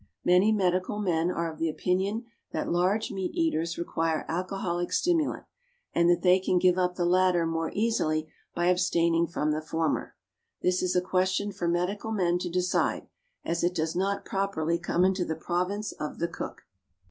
Many medical men are of the opinion that large meat eaters require alcoholic stimulant, and that they can give up the latter more easily by abstaining from the former. This is a question for medical men to decide, as it does not properly come into the province of the cook.